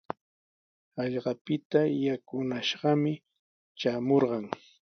Hallqapita yakunashqami traamurqan.